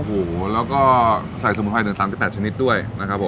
โอ้โหแล้วก็ใส่สมุนไพรถึง๓๘ชนิดด้วยนะครับผม